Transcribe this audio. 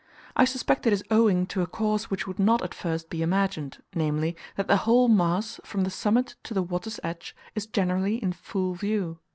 I suspect it is owing to a cause which would not at first be imagined, namely, that the whole mass, from the summit to the water's edge, is generally in full view.